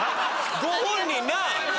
ご本人なぁ？